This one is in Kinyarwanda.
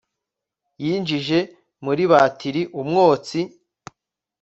Yinjijwe muri batiriumwotsi